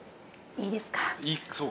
いいですか？